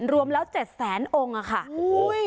รวมแล้ว๗๐๐องค์อ่ะค่ะอุ้ย